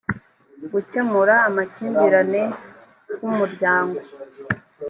gukemura amakimbirine rw umuryango